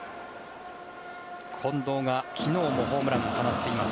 近藤が昨日もホームランを放っています。